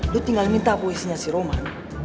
lo tinggal minta poesinya si roman